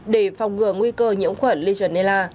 để phòng ngừa nguy cơ nhiễm khuẩn legionella